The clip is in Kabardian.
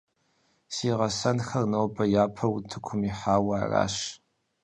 Си гъэсэнхэр нобэ япэу утыкум ихьауэ аращ.